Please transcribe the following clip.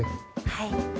はい。